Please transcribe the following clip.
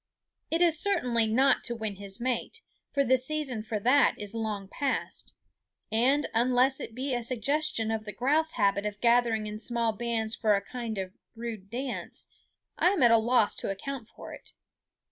It is certainly not to win his mate, for the season for that is long past; and unless it be a suggestion of the grouse habit of gathering in small bands for a kind of rude dance, I am at a loss to account for it.